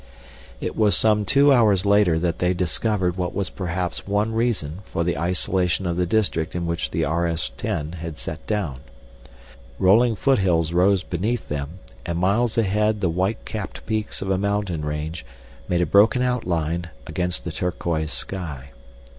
It was some two hours later that they discovered what was perhaps one reason for the isolation of the district in which the RS 10 had set down. Rolling foothills rose beneath them and miles ahead the white capped peaks of a mountain range made a broken outline against the turquoise sky.